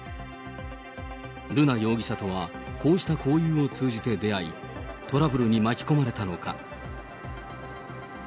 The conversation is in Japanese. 瑠奈容疑者とはこうした交友を通じて出会い、トラブルに巻き込まれたのか。